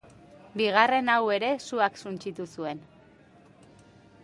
Bigarren hau ere suak suntsitu zuen.